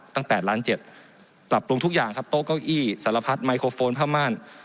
๘ล้าน๗ปรับปรุงทุกอย่างครับโต๊ะเก้าอี้สารพัดไมโครโฟนผ้าม่าน